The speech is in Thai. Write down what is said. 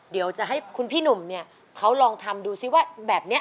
เดี๋ยวจะให้คุณพี่หนุ่มเนี่ยเขาลองทำดูซิว่าแบบนี้